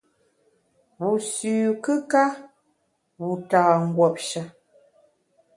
Wu sü kùka, wu ta nguopshe.